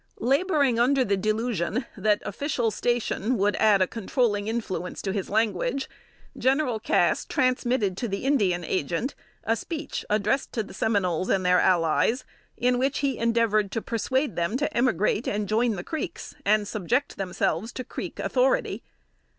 Laboring under the delusion that official station would add a controlling influence to his language, General Cass transmitted to the Indian Agent a speech, addressed to the Seminoles and their allies, in which he endeavored to persuade them to emigrate and join the Creeks, and subject themselves to Creek authority.